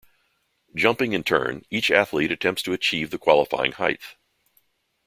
Jumping in turn, each athlete attempts to achieve the qualifying height.